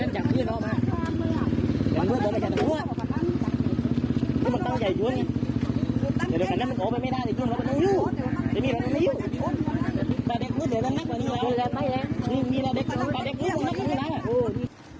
เดี๋ยวมีอะไรขึ้นมีอะไรขึ้นมีอะไรขึ้น